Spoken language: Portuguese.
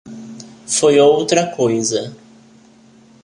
Foi outra coisa.